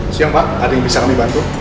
siang pak ada yang bisa kami bantu